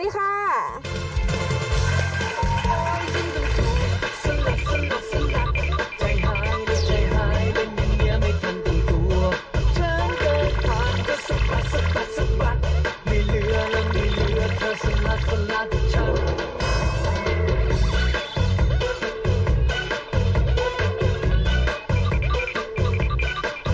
สวัสดีค่ะ